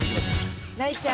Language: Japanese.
ないちゃう。